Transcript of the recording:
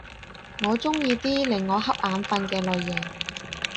我鍾意啲令我瞌眼瞓嘅類型